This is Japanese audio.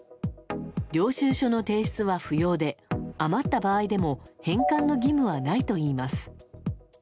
領収書の提出は不要で余った場合でも返還の義務はないといいます。